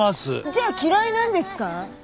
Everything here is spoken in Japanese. じゃあ嫌いなんですか？